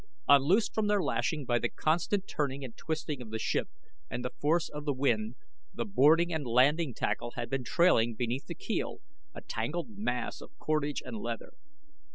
Unloosed from their lashing by the constant turning and twisting of the ship and the force of the wind, the boarding and landing tackle had been trailing beneath the keel, a tangled mass of cordage and leather.